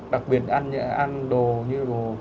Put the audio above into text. đặc biệt ăn đồ như